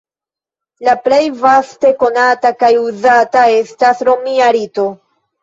La plej vaste konata kaj uzata estas la roma rito.